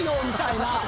みたいな。